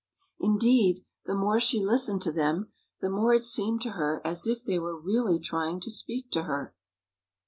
Indeed, the more she listened to them, the more it seemed to her as if they were really trying to speak to her.